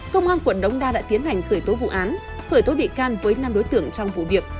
công an quận đống đa đã tiến hành khởi tố vụ án khởi tố bị can với năm đối tượng trong vụ việc